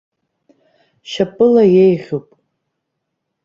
Шьапыла еиӷьуп.